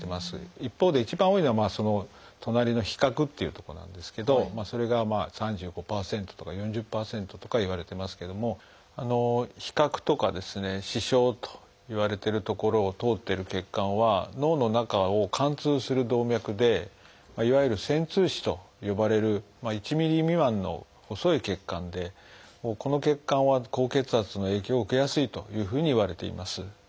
一方で一番多いのはその隣の「被殻」っていう所なんですけどそれが３５％とか４０％とかいわれてますけども被殻とか視床といわれてる所を通ってる血管は脳の中を貫通する動脈でいわゆる「穿通枝」と呼ばれる１ｍｍ未満の細い血管でこの血管は高血圧の影響を受けやすいというふうにいわれています。